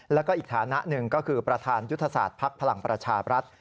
แล้วก็อีกฐานะหนึ่งก็คือประธานยุทธศาสตร์ภักดิ์พลังประชาบรัฐ